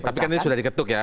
tapi kan ini sudah diketuk ya